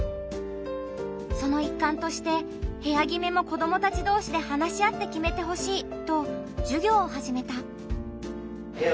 その一環として部屋決めも子どもたち同士で話し合って決めてほしいと授業を始めた。